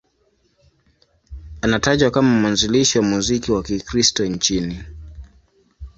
Anatajwa kama mwanzilishi wa muziki wa Kikristo nchini.